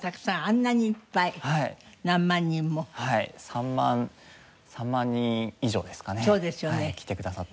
３万３万人以上ですかね来てくださって。